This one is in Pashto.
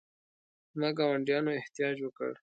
زما ګاونډیانو احتجاج وکړ.